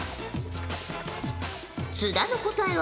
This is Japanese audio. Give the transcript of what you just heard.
津田の答えは。